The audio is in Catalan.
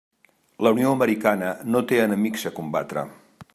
La Unió americana no té enemics a combatre.